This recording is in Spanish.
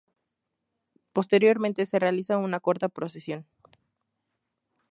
Posteriormente se realiza una corta procesión.